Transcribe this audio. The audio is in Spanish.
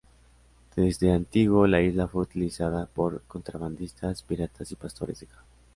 Desde antiguo la isla fue utilizada por contrabandistas, piratas y pastores de cabras.